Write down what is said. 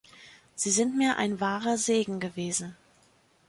Sie sind mir ein wahrer Segen gewesen.